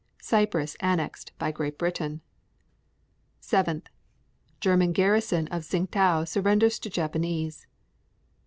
5. Cyprus annexed by Great Britain. 7. German garrison of Tsingtau surrenders to Japanese.